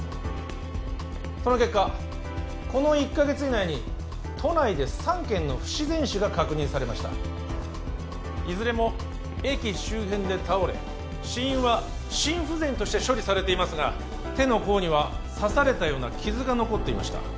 その結果この１カ月以内に都内で３件の不自然死が確認されましたいずれも駅周辺で倒れ死因は心不全として処理されていますが手の甲には刺されたような傷が残っていました